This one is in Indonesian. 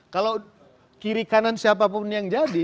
kalau kiri kanan siapapun yang jadi